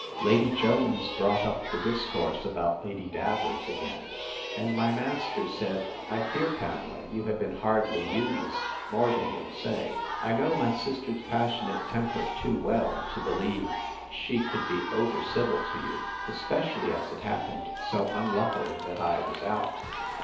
Lady Jones brought up the discourse about Lady Davers again; and my master said, I fear, Pamela, you have been hardly used, more than you'll say. I know my sister's passionate temper too well, to believe she could be over civil to you, especially as it happened so unluckily that I was out.